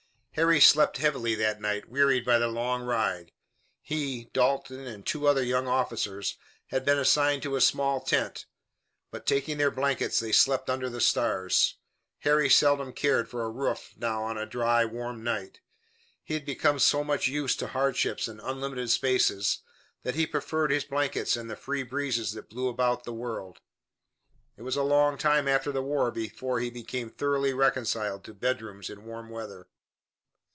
Harry slept heavily that night, wearied by the long ride. He, Dalton and two other young officers had been assigned to a small tent, but, taking their blankets, they slept under the stars. Harry seldom cared for a roof now on a dry, warm night. He had become so much used to hardships and unlimited spaces that he preferred his blankets and the free breezes that blew about the world. It was a long time after the war before he became thoroughly reconciled to bedrooms in warm weather.